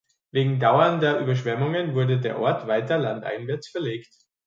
Wegen dauernder Überschwemmungen wurde der Ort weiter landeinwärts verlegt.